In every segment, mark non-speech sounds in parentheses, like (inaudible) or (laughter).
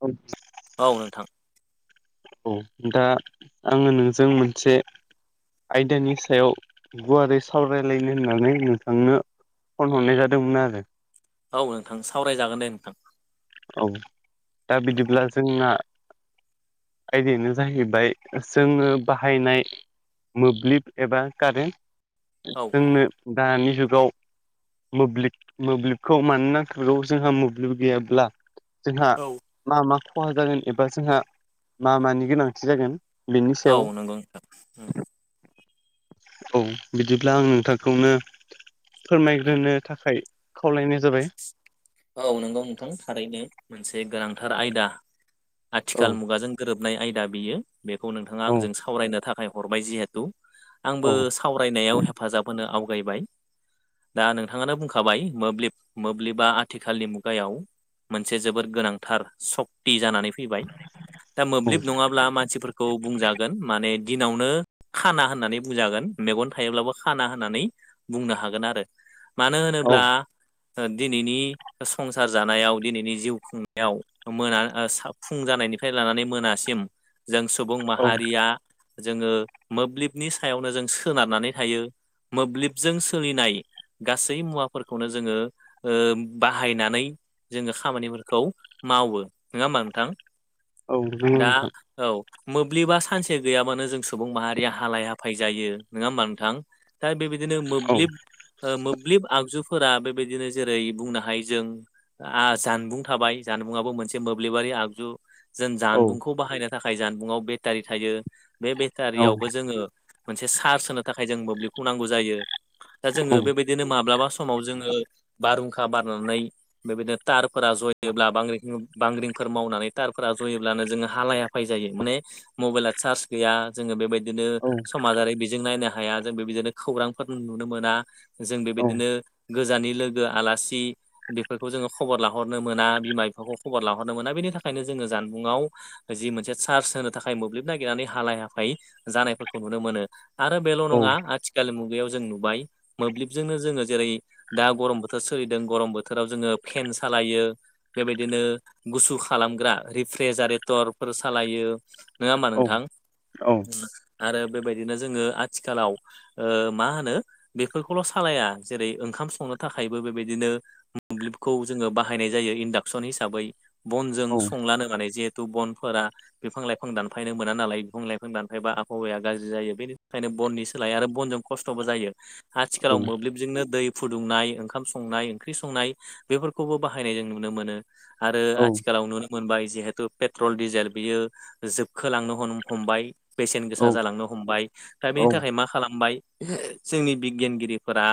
औ औ नोंथां औ दा आङो नोंजों मोनसे आयदानि सायाव गुवारै सावरायलायनो होननानै नोंथांनो फन हरनाय जादोंमोन आरो। औ नोंथां सावरायजागोन दे नोंथां। औ दा बिदिब्ला जोंना ओबेनो जाहैबाय जोङो बाहायनाय मोब्लिब एबा कारेन्ट औ जोंनो दानि जुगाव मोब्लिब मोब्लिबखौ मानो नांगौ जोंहा मोब्लिब गैयाब्ला जोंहा मा मा खहा जागोन एबा जोंहा मा मानि गोनांथि जागोन बेनि औ सायाव नंगौ नोंथां उम औ बिदिब्ला आं नोंथांखौनो फोरमायग्रोनो थाखाय खावलानाय जा औ नोंगौ नोंथां थारैनो मोनसे गोनांथार आयदा औ आथिखाल मुगाजों गोरोबनाय आयदा बियो बेखौ नोंथाङा औ आंजों सावरायनो थाखाय हरबाय जिहेथु आंबो सावरायनायाव हेफाजाब होनो आवगायबाय दा नोंथाङानो बुंखाबाय मोब्लिब मोब्लिबा आथिखालनि मुगायाव मोनसे जोबोद गोनांथार सक्ति जानानै फैबाय दा औ मोब्लिब नङाब्ला मानसिफोरखौ बुंजागोन माने दिनावनो खाना होननानै बुंजागोन मेगन थायोब्लाबो खाना होननानै बुंनो हागोन आरो। मानो औ होनोब्ला दिनैनि संसार जानायाव दिनैनि जिउ खुंनायाव मोना फुं जानायनिफ्राय लानानै मोनासिम जों सुबुं औ माहारिया जोङो मोब्लिबनि सायावनो जों सोनारनानै थायो मोब्लिबजों सोलिनाय गासै मुवाफोरखौनो जोङो ओ बाहायनानै जोङो खामानिफोरखौ मावो नङा ओमबा नोंथां औ नंगौ दा नोंथां औ मोब्लिबा सानसे गैयाबानो जों सुबुं माहारिया हालाय हाफाय जायो नङा ओमबा नोंथां? दा बेबायदिनो औ मोब्लिब मोब्लिब आगजुफोरा बे बायदिनो जेरै बुंनो हायो जों आं जानबुं थाबाय जानबुंआबो मोनसे मोब्लिबारि आगजु जों औ जानबुंखौ बाहायनो थाखाय जानबुङाव बेटारि थायो। बे औ बेटारियावबो जोङो मोनसे चार्ज होनो थाखाय जों मोब्लिबखौ नांगौ जायो। दा औ जोङो बेबायदिनो माब्लाबा समाव जोङो बारहुंखा बारनानै बेबायदिनो तारफोरा जयोब्ला बांग्रिं बांग्रिंफोर मावनानै तारफोरा जयोब्लानो जोङो हा फाय जायो माने मबाइला चार्ज गैया जोङो बेबाय दिनो औ समाजारि बिजों नायनो हाया जों बेबायदिनो खौरांफोर नुनो मोना। जों औ बेबायदिनो गोजानि लोगो आलासि बेफोरखौ जोङो खबर लाहरनो मोना बिमा बिफाखौ खबर लाहरनो मोना बेनि थाखायनो जोङो जानबुङाव जि मोनसे चार्स होनो थाखाय मोब्लिब नागिरनानै हालाय हाफाय जानायफोरखौ नुनो मोनो। आरो बेल' औ औ नङा आथिखाल मुगायाव जों नुबाय मोब्लिबजोंनो जोङो जेरै दा गरम बोथोर सोलिदों गरम बोथोराव जोङो फेन सालायो। बेबायदिनो गुसु खालामग्रा रिफ्रेजारेटरफोर सालायो नङा ओमबा नोंथां औ आरो बेबायदिनो जोङो आथिखालाव ओ मा होनो बेफोरखौल' सालाया जेरै ओंखाम संनो थाखायबो बेबायदिनो मोब्लिबखौ जोङो बाहायनाय जायो इन्डाक्सन हिसाबै बनजों औ संलानो माने जिहेतु बनफोरा बिफां लाइफां दानफायनो मोना नालाय बिफां लाइफां दानफायबा आबहावाया गाज्रि जायो बेनि थाखायनो बननि सोलाय आरो बनजों खस्थ'बो जायो औ आथिखालाव नंगौ नोंथां औ मोब्लिबजोंनो दै फुदुंनाय ओंखाम संनाय ओंख्रि संनाय बेफोरखौबो बाहायनाय जों नुनो मोनो आरो औ आथिखालाव नु मोनबाय जिहेतु पेट्रल डिजेल बियो जोबखोलांनो हमबाय बेसेन गोसा जालांनो हमबाय दा औ बेनि थाखाय मा खालामबाय जोंनि बिगियानगिरिफोरा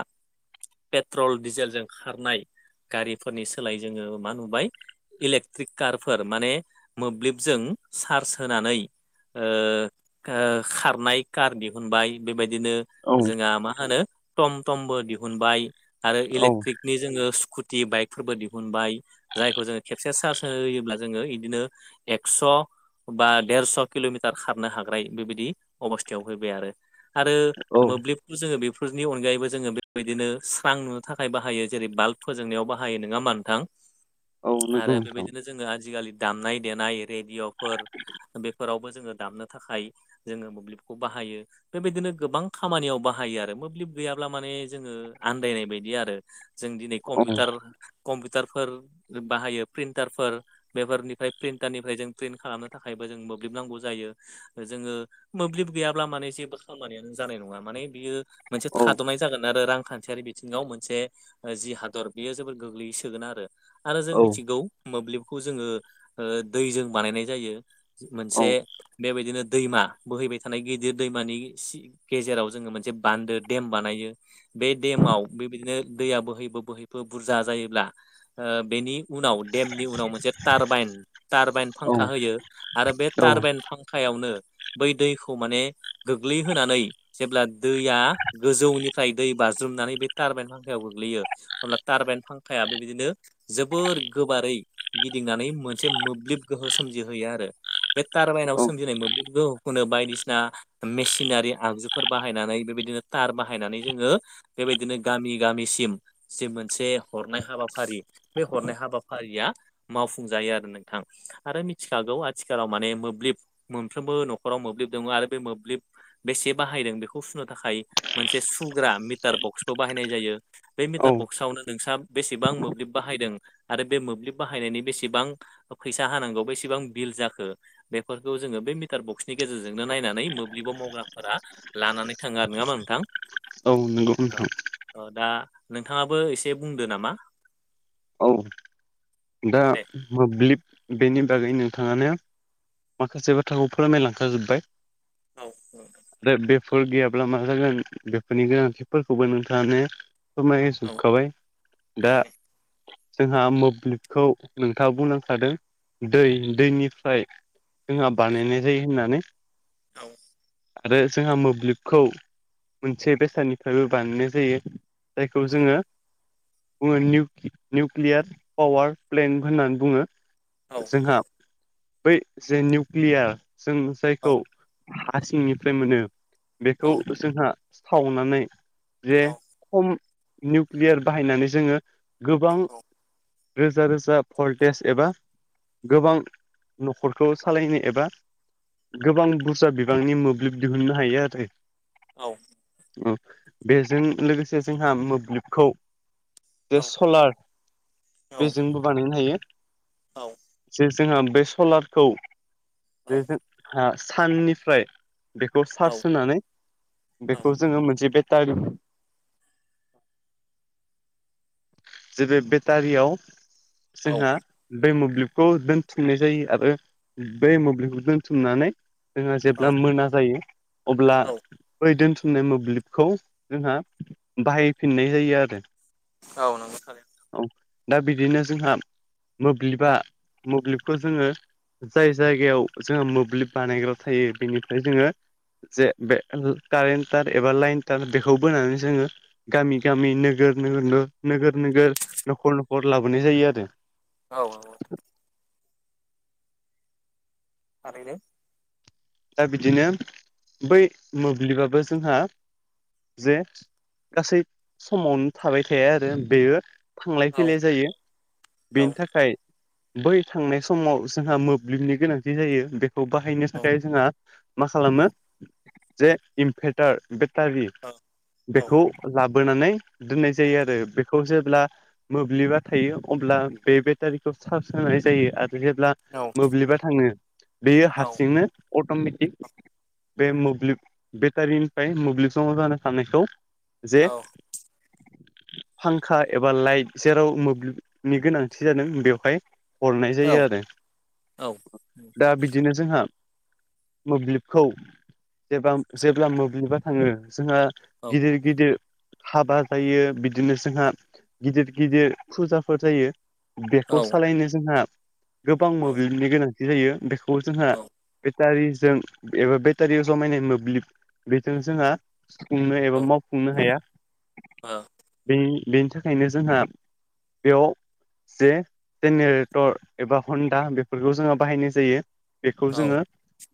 पेट्रल डिजेलजों खारनाय गारिफोरनि सोलाय जोङो मा नुबाय इलेक्ट्रिक कारफोर माने मोब्लिबजों चार्ज होनानै ओ खारनाय कार दिहुनबाय बेबायदिनो जोंहा मा होनो टम टमबो दिहुनबाय आरो इलेक्ट्रिकनि जोङो स्कुटि बाइकफोरबो दिहुनबाय जायखौ जोङो खेबसे चार्ज होनो होयोब्ला जोङो बिदिनो एक्स' बा देरस' किल'मिटार खारनो हाग्राय बेबायदि अबस्थायाव फैबाय आरो। आरो मोब्लिबखौ जोङो बेफोरनि अनगायैबो जोङो बिदिनो स्रां नुनो थाखाय बाहायो जेरै बाल्ब फोजोंनायाव बाहायो नङा होमबा नोंथां? आरो बेबायदिनो जोङो आजिखालि दामनाय देनाय रेडिअ'फोर बेफोरावबो जोङो दामनो थाखाय जोङो मोब्लिबखौ बाहायो बेबायदिनो गोबां खामानियाव बाहायो आरो मोब्लिब गैयाब्ला माने जोङो आनन्दायनाय बायदि आरो जों दिनै कम्पिउटार कम्पिउटारफोर बाहायो प्रिन्टारफोर पेपारनिफ्राय प्रिन्टारनिफ्राय जों प्रिन्ट खालामनो थाखायबो जों मोब्लिब नांगौ जायो जोङो मोब्लिब गैयाब्ला माने जेबो खामानियानो जानाय नङा माने बियो मोनसे थाद'नाय जागोन आरो रांखान्थियारि बिथिङाव मोनसे जि हादर बेयो जोबोर गोग्लैसोगोन आरो। आरो जों मिथिगौ मोब्लिबखौ जोङो ओ दैजों बानायनाय जायो मोनसे बेबायदिनो दैमा बोहैबाय थानाय गिदिर दैमानि गेजेराव जोङो मोनसे बान्दो देम बानायो बे देमाव बेबायदिनो दैया बोहैबो बोहैबो बुरजा जायोब्ला ओ बेनि उनाव देमनि उनाव मोनसे टारबाइन टारबाइन फांखा होयो आरो बे टारबाइन फांखायावनो बै दैखौ माने गोग्लैहोनानै जेब्ला दैया गोजौनि फ्राय दै बाज्रुमनानै बे टारबाइन फांखायाव गोग्लैयो हब्ला टारबाइन फांखाया बेबायदिनो जोबोर गोबारै गिदिंनानै मोनसे मोब्लिब गोहो सोमजिहोयो आरो। बे टारबाइनाव सोमजिनाय मोब्लिब गोहोखौनो बायदिसिना मेसिनारि आगजुफोर बाहायनानै बेबायदिनो तार बाहायनानै जोङो बेबायदिनो गामि गामिसिम जे मोनसे हरनाय हाबाफारि बे हरनाय हाबाफारिया मावफुंजायो आरो नोंथां। आरो मिथिखागौ आथिखालाव माने मोब्लिब मोनफ्रोमबो न'खराव मोब्लिब दङ आरो बे मोब्लिब बेसे बाहायदों बेखौ सुनो थाखाय मोनसे सुग्रा मिटार बक्सबो बाहायनाय जायो। बे मिटार बक्सआवनो नोंस्रा बेसेबां मोब्लिब बाहायदों आरो बे मोब्लिब बाहायनायनि बेसेबां फैसा हानांगौ बेसेबां बिल जाखो बेफोरखौ जोङो बे मिटार बक्सनि गेजेरजोंनो नायनानै मोब्लिबाव मावग्राफोरा लानानै थाङो आरो नङा होमबा नोंथां? औ नंगौ। ओ नोंथां ओ दा नोंथाङाबो एसे बुंदो नामा। औ दा दे मोब्लिब बेनि बागै नोंथाङानो माखासे बाथ्राखौ फोरमायलांखाजोब्बाय औ आरो बे फोर गैयाब्ला मा जागोन बेफोरनि गोनांथिफोरखौबो नोंथाङानो फोरमाय औ होजोबखाबाय दा थारैनो जोंहा मोब्लिब खौ नोंथांङा बुंलांखादों दै दैनिफ्राय जोंहा बानायनाय जायो होननानै औ। आरो जोंहा मोब्लिबखौ मोनसे बेसादनिफ्रायबो बानायनाय जायो जायखौ जोङो बुङो निउ निउक्लियार पावार प्लेन होननानै बुङो औ जोहा बै जे निउकलियार जों औ जायखौ हासिंनिफ्राय मोनो औ बेखौ जोंहा सिथावनानै जे औ खम निउक्लियार बाहायनानै जोंङो गोबां (inaudible) रोजा रोजा फलटेज एबा गोबां न'खरखौ सालायनो एबा गोबां बुरजा बिबांनि मोब्लिब दिहुननो हायो आरो औ ओ बेजों लोगोसे जोंहा मोब्लिबखौ जे सलार बेजोंबो बानायनो हायो। औ जे जोंहा बे सलारखौ जे जोंहा साननिफ्राय बेखौ चार्ज होनानै बेखौ जोंङो मोनसे बेटारि जे बे बेटारियाव जोंहा बै मोब्लिबखौ दोनथुमनाय जायो आरो बै मोब्लिबखौ दोनथुमनानै जोंहा जेब्ला मोना जायो अब्ला औ बै दोन नाय मोब्लिबखौ जोंहा बाहायफिननाय जायो आरो औ नोंगो थारैनो औ दा बिदिनो जोंहा मोब्लिबा मोब्लिबखौ जोङो जाय जायगायाव जोंहा मोब्लिब बानायग्रा थायो बेनिफ्राय जोङो जे बे कारेन्ट टार एबा लाइन तटार बेखौ बोनानै जोङो गामि गामि नोगोर नोगोर नोगोर नोगोर न'खर न'खर लाबोनाय जायो आरो औ थारैनो दा बिदिनो बै मोब्लिबाबो जोंहा जे गासै समावनो थाबाय थाया आरो बेयो थांलाय औ फैलाय जायो औ बेनि थाखाय बै थांनाय समाव जोंहा मोब्लिबनि गोनांथि जायो बेखौ बाहायनो थाखाय जोंहा मा खालामो जे इनभारटार बेटारि औ औ बेखौ लाबोनानै दोननाय जायो आरो बेखौ जेब्ला मोब्लिबा थायो अब्ला बे बेटारिखौ चार्ज होनाय जायो आरो जेब्ला मोब्लिबा थाङो बेयो औ हारसिंनो अट'मेटिक बे मोब्लिब बेटारिनिफ्राय मोब्लिब जमा जानो साननायखौ जे फांखा एबा लाइट जेराव मोब्लिबनि गोनांथि जादों बेवहाय हरनाय औ जायो आरो औ औ दा बिदिनो जोंहा मोब्लिबखौ जे जेब्ला मोब्लिबा थाङो जोंहा औ गिदिर गिदिर हाबा जायो बिदिनो जोंहा गिदिर गिदिर फुजाफोर जायो बेखौ औ सालायनो जोंहा गोबां औ मोब्लिबनि गोनांथि जायो बेखौ जोंहा औ ओ बेटारिजों एबा बेटारियाव जमायनाय मोब्लिब बेजों जोंहा सुफुंनो एबा मावफुंनो हाया बे-बेनि थाखायनो जोंहा बेयाव जे जेनेरेटर एबा हन्दा बेफोरखौ जोंङो बाहायनाय जायो खौ औ जोङो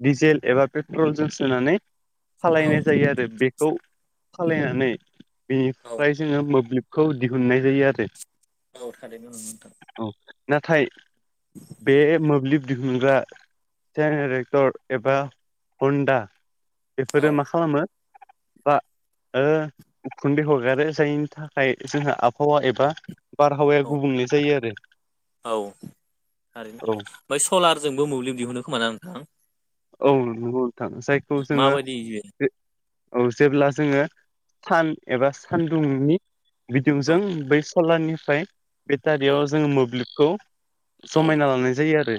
डीजेल एबा पेट्रल जों सोनानै सालायनाय औ जायो आरो बे खौ खालामनानै औ बेनिफ्राय जोङो मोब्लिबखौ दिहुननाय जायो आरो औ थादोंमोन ननो नोंथां औ नाथाय बे मोब्लिब दिहुनग्रा जेनेरेक्टर एबा हन्दा औ बेफोरो मा खालामो बा ओ उखुन्दै हगारो जायनि थाखाय जोंहा आबहावा एबा बारहावाया औ गुबुंले जायो आरो औ थारैनो औ ओमफ्राय सलारजोंबो मोब्लिब दिहुनो खोमा ना नोंथां औ नोंगौ नोंथां जायखौ जोङो माबायदि औ जेब्ला जोङो सान एबा सानदुंनि बिदुंजों औ बै सलारनिफ्राय बेटारियाव औ जोङो मोब्लिबखौ औ जमायना लानाय जायो आरो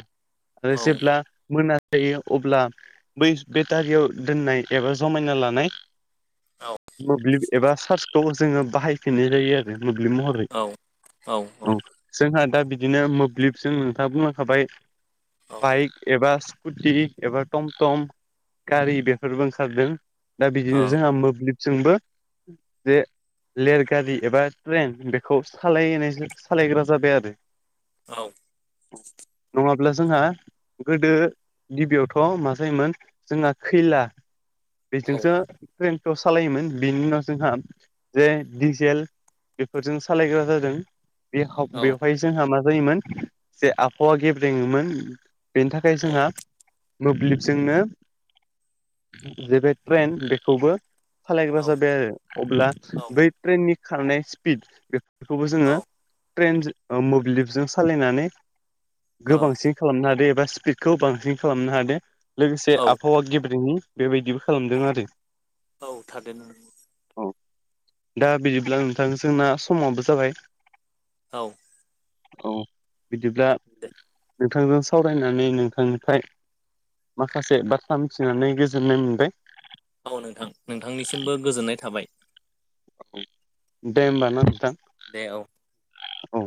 आरो औ जेब्ला मोनाजायो अब्ला बै बेटारियाव दोननाय एबा जमायना लानाय औ मोब्लिब एबा सार्चखौ जोङो बाहायफिननाय जायो आरो मोब्लिब महरै औ औ औ औ जोंहा दा बिदिनो मोब्लिबजों नोंथांङा बुंलांखाबाय औ औ बाइक एबा स्कुटि एबा टमटम गारि बेफोरबो ओंखारदों दा औ बिदिनो जोंहा मोब्लिब जोंबो बेे रेलगारि एबा ट्रेन बेखौ सालायनाय सालायग्रा जाबाय आरो औ नङाब्ला जोंहा गोदो गिबियावथ मा जायोमोन जोंहा खैला औ बेजोंसो ट्रेनथखौ सालायोमोन बेनि उनाव जोंहा जे डिजेल बेफोरजों सालायग्रा जादों बे खाव बेवहाय जोंहा मा जायोमोन जे आबहावा गेब्रेङोमोन बेनि थाखाय जोंहा मोब्लिबजोंनो। जेबे ट्रेन बेखौबो सालायग्रा जाबाय आरो अब्ला ओ बै ट्रेननि खारनाय स्पिड बेखौ खौबो औ जोङो ट्रेनजों ओ मोब्लिबजों सालायनानै गोबांसिन खालामनो हादो एबा स्पिडखौ बांसिन खालामनो हादो लोगोसे औ आबहावा गेब्रेंनाय बेबायदिबो खालामदों आरो औ थारैनो औ दा बिदिब्ला नोंथां जोंना समाबो जाबाय औ औ बिदिब्ला दे नोंथांजों सावरायनानै नोंथांनिफ्राय माखासे बाथ्रा मिथिनानै गोजोननाय मोनबाय औ नोंथां नोंथांनिसिमबो गोजोननाय थाबाय दे होमबा ना नोंथां दे औ औ